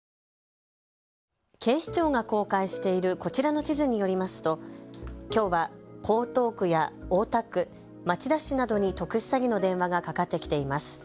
警視庁が公開しているこちらの地図によりますときょうは江東区や大田区、町田市などに特殊詐欺の電話がかかってきています。